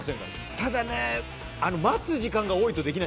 ただね待つ時間が多いとできないんですよね。